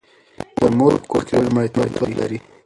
د مور په کور کې روغتیا لومړیتوب لري.